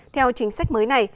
theo chính sách mới này